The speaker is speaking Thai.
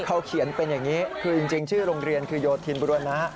เขาเขียนเป็นอย่างนี้คือจริงชื่อโรงเรียนคือโยธินบุรณะ